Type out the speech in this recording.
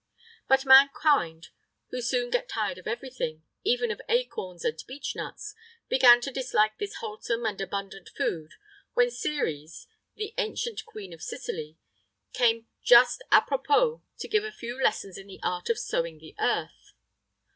But mankind, who soon get tired of every thing, even of acorns and beech nuts, began to dislike this wholesome and abundant food, when Ceres, the ancient Queen of Sicily, came just à propos to give a few lessons in the art of sowing the earth.